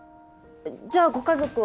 じゃあご家族は？